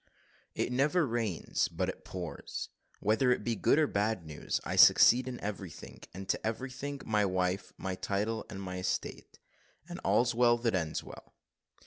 IT NEVER RAINS BUT IT POURS, WHETHER IT BE GOOD OR BAD NEWS I SUCCEED IN EVERYTHING, AND TO EVERYTHING, MY WIFE, MY TITLE, AND ESTATE AND "ALL'S WELL THAT ENDS WELL."